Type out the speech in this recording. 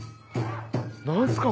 何すか？